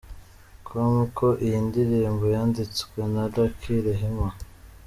com ko iyi ndirimbo yanditswe na Lucky Rehema.